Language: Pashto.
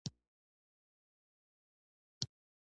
زړه د پاک فکر خاوند دی.